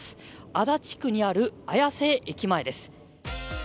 足立区にある綾瀬駅前です。